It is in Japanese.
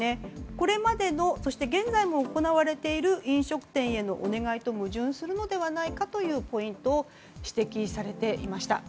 これまでも、そして現在も行われている飲食店へのお願いと矛盾するのではないかというポイントを指摘されていました。